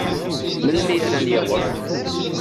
Melmi ara n-yaweḍ?